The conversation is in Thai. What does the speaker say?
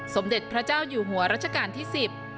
สมเด็จพระเจ้าอยู่หัวรัชกาลที่๑๐